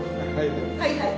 はいはい。